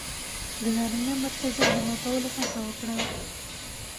د نرينه مرکزيت د ماتولو هڅه وکړه